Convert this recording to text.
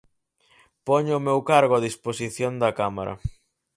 Poño o meu cargo a disposición da Cámara.